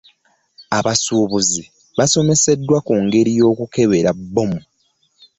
Abasuubuzi basomesedwa ku ngeri y'okukebera bbomu.